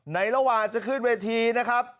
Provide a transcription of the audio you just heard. ในระหว่างจะขึ้นเวทีนะครับ